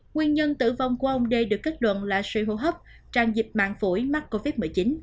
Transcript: nguyên nhân tử vong của ông d được kết luận là suy hô hấp tràn dịch mạng phổi mắc covid một mươi chín